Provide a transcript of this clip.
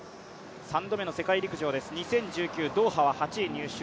３度目の世界陸上です、２０１９ドーハは８位入賞。